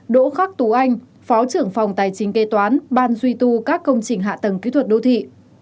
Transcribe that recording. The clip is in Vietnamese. đỗ khắc tú anh phó trưởng phòng tài chính kế toán ban duy tu các công trình hạ tầng kỹ thuật đô thị